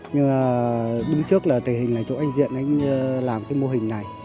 nhưng mà đứng trước là tình hình là chỗ anh diện anh làm cái mô hình này